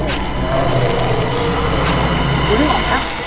ดูดูเหมือนกันนะ